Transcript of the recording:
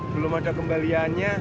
belum ada kembaliannya